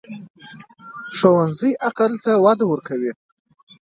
ښوونځی عقل ته وده ورکوي